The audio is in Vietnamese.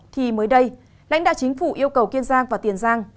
thì mới đây lãnh đạo chính phủ yêu cầu kiên giang và tiền giang